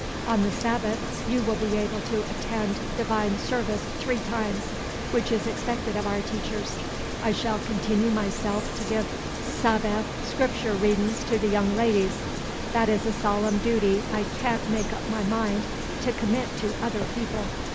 On the Sahbath you will be able to attend divine service three times, which is expected of our teachers. I shall continoo myself to give Sahbath Scriptur' readin's to the young ladies. That is a solemn dooty I can't make up my mind to commit to other people.